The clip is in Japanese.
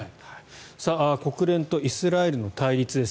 国連とイスラエルの対立です。